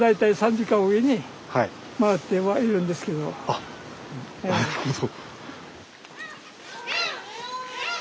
あっなるほど。